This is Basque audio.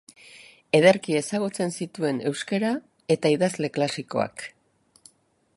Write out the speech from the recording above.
Ederki ezagutzen zituen euskara eta idazle klasikoak.